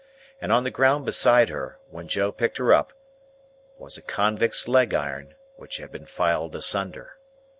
And on the ground beside her, when Joe picked her up, was a convict's leg iron which had been filed asunder.